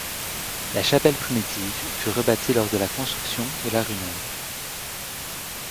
La chapelle primitive fut rebâtie lors de la construction de la rue Neuve.